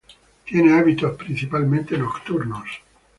Tiene hábitos principalmente nocturnos.